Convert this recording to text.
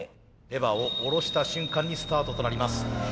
レバーを下ろした瞬間にスタートとなります。